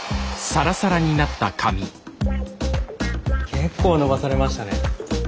結構伸ばされましたね。